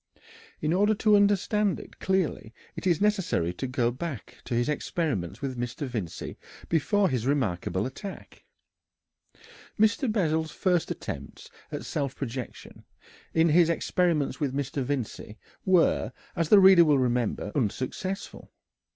In order to understand it clearly it is necessary to go back to his experiments with Mr. Vincey before his remarkable attack. Mr. Bessel's first attempts at self projection, in his experiments with Mr. Vincey, were, as the reader will remember, unsuccessful.